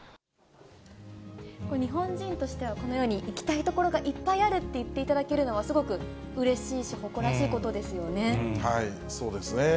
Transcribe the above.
日本人としては、このように行きたい所がいっぱいあるって言っていただけるのは、すごくうれそうですね。